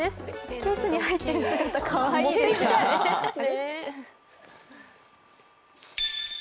ケースに入ってる姿、かわいいですね。